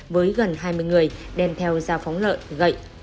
với gần hai mươi người đem theo dao phóng lợn gậy